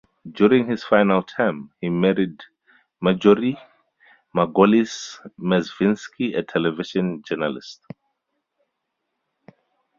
During his final term he married Marjorie Margolies-Mezvinsky, a television journalist.